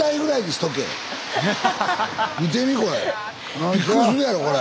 スタジオびっくりするやろこれ。